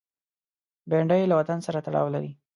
بېنډۍ له وطن سره تړاو لري